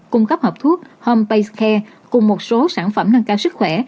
cung cấp hợp thuốc home base care cùng một số sản phẩm nâng cao sức khỏe